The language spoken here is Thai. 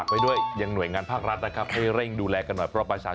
โมโหแล้วไง